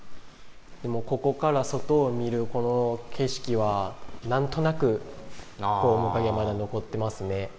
ここから外を見るこの景色は、なんとなく面影まだ残ってますね。